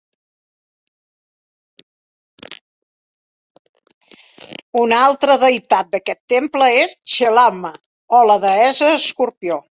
Una altra deïtat d"aquest temple es Chelamma o la deessa escorpió.